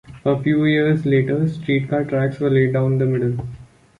A few years later streetcar tracks were laid down the middle.